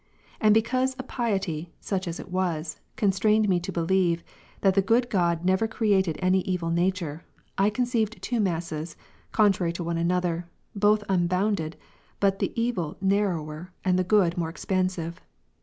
And because a piety, such as it was, constrained me to believe, that the good God never created any evil nature, I conceived two masses, con trary to one another, both unbounded, but the evil narrower^, the good moreexpansive.